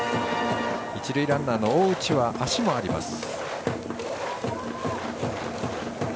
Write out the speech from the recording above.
一塁ランナーの大内は足もあります。